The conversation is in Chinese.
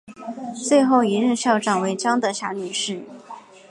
最后一任校长为江德霞女士。